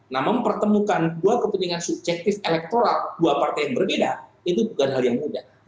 nah mempertemukan dua kepentingan subjektif elektoral dua partai yang berbeda itu bukan hal yang mudah